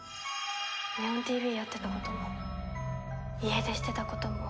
「祢音ＴＶ」やってたことも家出してたことも。